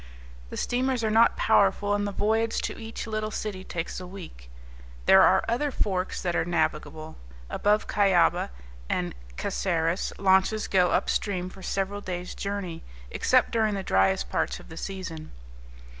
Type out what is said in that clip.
The steamers are not powerful and the voyage to each little city takes a week. There are other forks that are navigable. Above Cuyaba and Caceres launches go up stream for several days' journey, except during the dryest parts of the season.